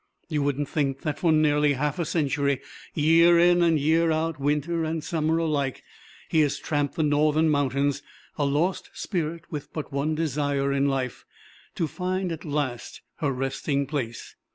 You wouldn't think that for nearly half a century, year in and year out, winter and summer alike, he has tramped the northern mountains a lost spirit with but one desire in life to find at last her resting place?